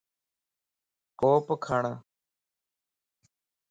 ڪوپ کڙ